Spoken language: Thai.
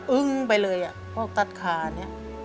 อึ้งไปเลยพวกตัดขาเนี่ย